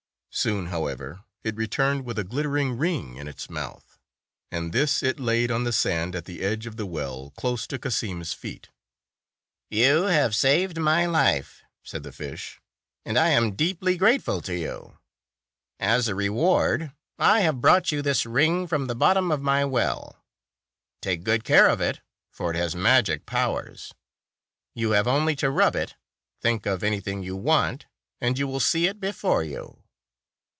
Soon, however, it returned with a glittering ring in its mouth, and this it laid on the' sand at the edge of the well, close to Cassim's feet. "You have saved my life," said the fish, "and I am deeply grateful to you. As a reward, I have brought you this ring from the bottom of my well. Take good care of it, for it has magic powers. You have only to rub it, think of any thing you want, and you will see it before you."